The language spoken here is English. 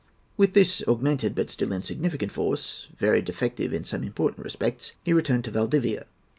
With this augmented but still insignificant force, very defective in some important respects, he returned to Valdivia.